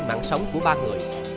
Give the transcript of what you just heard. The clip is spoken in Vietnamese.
mạng sống của ba người